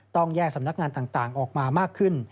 ต้องแยกสำนักงานต่างออกมามากขึ้น